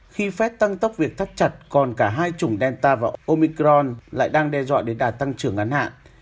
khi phép tăng tốc việc thắt chặt còn cả hai chủng delta và omicron lại đang đe dọa đến đà tăng trưởng ngắn hạn